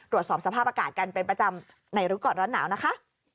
ตรวจสอบสภาพอากาศกันเป็นประจำในรู้ก่อนร้อนหนาวนะคะ